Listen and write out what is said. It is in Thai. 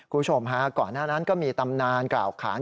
คุณผู้ชมฮะก่อนหน้านั้นก็มีตำนานกล่าวขาน